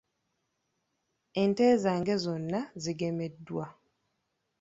Ente zange zonna zigemeddwa.